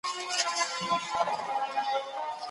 ژوند بايد په ناخبرۍ کي تېر نه سي ښه؟